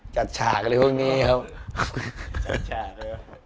จัดฉากเลยเรื่องนี้ครับ